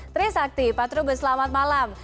tri sakti pak trubus selamat malam